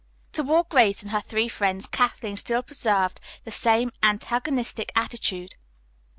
Toward Grace and her three friends Kathleen still preserved the same antagonistic attitude.